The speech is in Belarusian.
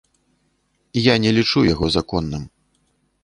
Я не лічу яго законным.